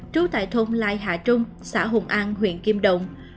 trú tại thôn lai hạ trung xã hùng an huyện kim động